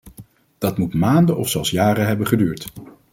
Dat moet maanden of zelfs jaren hebben geduurd!